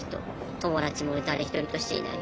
友達も誰一人としていない。